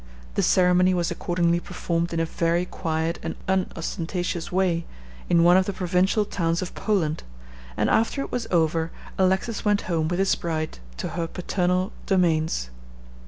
The ceremony was accordingly performed in a very quiet and unostentatious way, in one of the provincial towns of Poland, and after it was over Alexis went home with his bride to her paternal domains.